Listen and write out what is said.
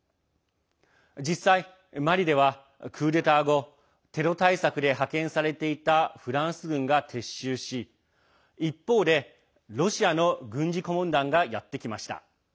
実際、マリではクーデター後テロ対策で派遣されていたフランス軍が撤収し一方で、ロシアの軍事顧問団がやって来ました。